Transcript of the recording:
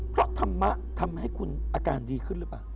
เพราะธรรมะทำให้คุณอาการดีขึ้นหรือเปล่า